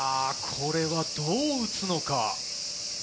これはどう打つのか？